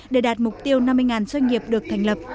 để đạt mục tiêu năm mươi doanh nghiệp được thành lập